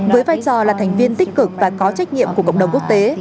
với vai trò là thành viên tích cực và có trách nhiệm của cộng đồng quốc tế